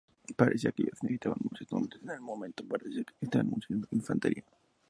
Parecía que ellos necesitaban muchos hombres en el momento parecía que necesitaban mucha infantería.